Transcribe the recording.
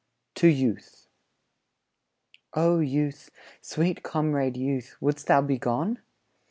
TO YOUTH O Youth, sweet comrade Youth, wouldst thou be gone?